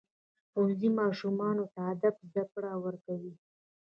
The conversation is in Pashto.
ښوونځی ماشومانو ته د ادب زده کړه ورکوي.